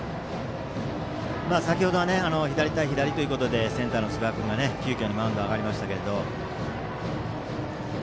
先程は左対左ということでセンターの寿賀君が急きょマウンドに上がりましたが。